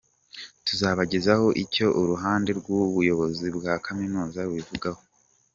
Tuzabagezaho icyo uruhande rw’ubuyobozi bwa Kaminuza rubivugaho.